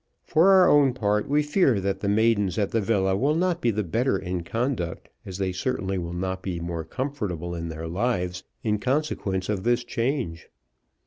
For our own part we fear that the maidens at the villa will not be the better in conduct, as they certainly will not be more comfortable in their lives, in consequence of this change.